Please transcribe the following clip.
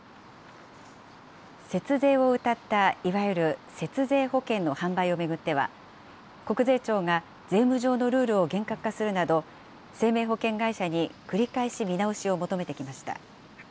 節税をうたった、いわゆる節税保険の販売を巡っては、国税庁が税務上のルールを厳格化するなど、生命保険会社に繰り返し見直しを求めてきました。